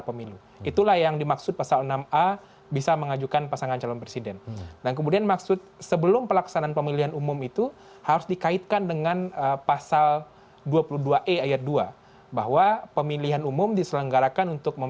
pemilu yang dimaksud pasal dua puluh dua i ayat dua itu yang dimaksud sebelum pelaksanaan pemilu di dalam pasal enam ayat dua